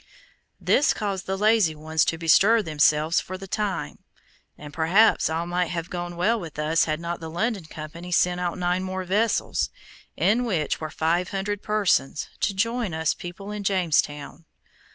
This caused the lazy ones to bestir themselves for the time, and perhaps all might have gone well with us had not the London Company sent out nine more vessels, in which were five hundred persons, to join us people in Jamestown.